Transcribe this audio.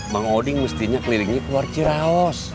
bang odin mestinya kelilingnya keluar ciraos